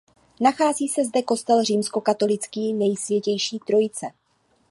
Nachází se zde kostel římskokatolický Nejsvětější Trojice.